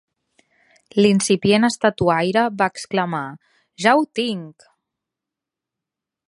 L'incipient estatuaire va exclamar: ¡Ja ho tinc!.